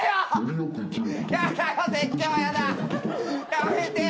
やめてよ！